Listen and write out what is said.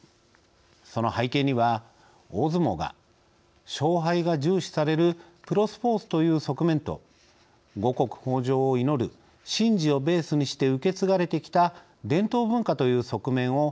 その背景には大相撲が勝敗が重視されるプロスポーツという側面と五穀豊穣を祈る神事をベースにして受け継がれてきた伝統文化という側面をあわせ持つことがあると思います。